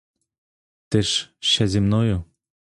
Ти ж ще зі мною!